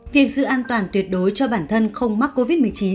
việc giữ an toàn tuyệt đối cho bản thân không mắc covid một mươi chín